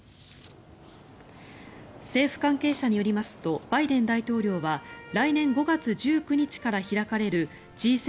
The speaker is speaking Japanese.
政府関係者によりますとバイデン大統領は来年５月１９日から開かれるＧ７